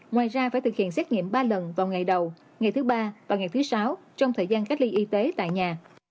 ngoài ra phải thực hiện xét nghiệm ba lần vào ngày đầu ngày thứ ba và ngày thứ sáu trong thời gian cách ly y tế tại nhà